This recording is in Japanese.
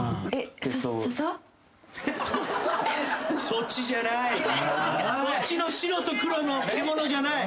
そっちじゃない。